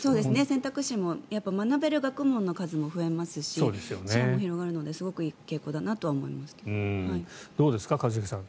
選択肢も学べる学問の数も増えますし視野も広がるのですごくいい傾向だなとはどうですか、一茂さん。